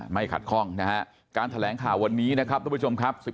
ขัดข้องนะฮะการแถลงข่าววันนี้นะครับทุกผู้ชมครับ